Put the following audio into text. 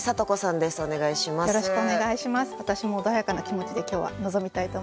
私も穏やかな気持ちで今日は臨みたいと思います。